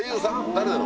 誰なの？